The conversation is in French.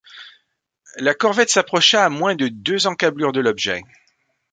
La corvette s’approcha à moins de deux encâblures de l’objet.